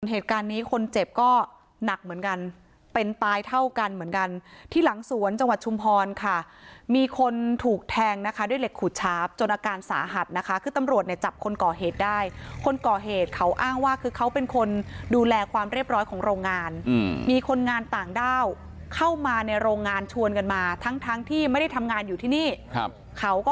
เหตุการณ์นี้คนเจ็บก็หนักเหมือนกันเป็นตายเท่ากันเหมือนกันที่หลังสวนจังหวัดชุมพรค่ะมีคนถูกแทงนะคะด้วยเหล็กขูดชาร์ฟจนอาการสาหัสนะคะคือตำรวจเนี่ยจับคนก่อเหตุได้คนก่อเหตุเขาอ้างว่าคือเขาเป็นคนดูแลความเรียบร้อยของโรงงานมีคนงานต่างด้าวเข้ามาในโรงงานชวนกันมาทั้งทั้งที่ไม่ได้ทำงานอยู่ที่นี่ครับเขาก็